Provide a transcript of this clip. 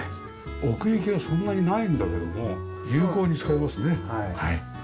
奥行きがそんなにないんだけども有効に使えますね。